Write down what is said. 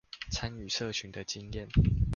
參與社群的經驗